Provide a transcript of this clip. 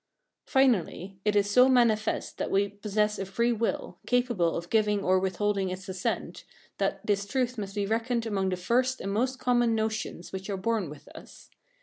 Finally, it is so manifest that we possess a free will, capable of giving or withholding its assent, that this truth must be reckoned among the first and most common notions which are born with us.